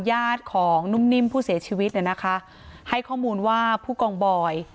ญาติของนุ่มนิ่มผู้เสียชีวิตเนี่ยนะคะให้ข้อมูลว่าผู้กองบอย